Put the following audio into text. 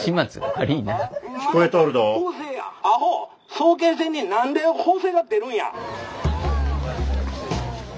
早慶戦に何で法政が出るんや！」。